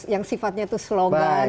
yang sifatnya itu slogan